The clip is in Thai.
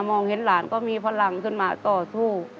มองเห็นหลานก็มีพลังขึ้นมาต่อสู้